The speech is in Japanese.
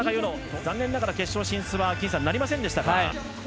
残念ながら決勝進出はなりませんでした。